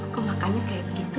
kok makannya kayak begitu